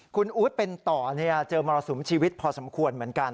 คุณอู๊ดเป็นต่อเจอมรสุมชีวิตพอสมควรเหมือนกัน